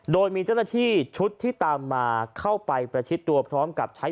โดยมีเจ้าหน้าที่ชุดที่ตามมาเข้าไปประชิดตัวพร้อมกับใช้